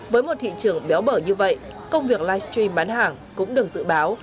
với một thị trường béo bở như vậy công việc livestream bán hàng cũng được dự báo